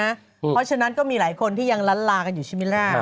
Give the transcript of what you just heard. เพราะฉะนั้นก็มีหลายคนที่ยังล้านลากันอยู่ใช่ไหมล่ะ